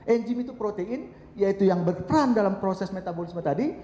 enzim itu protein yaitu yang berperan dalam proses metabolisme tadi